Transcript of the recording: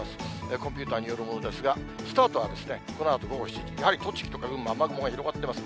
コンピューターによるものですが、スタートはこのあと午後７時、やはり栃木とか群馬、雨雲が広がってます。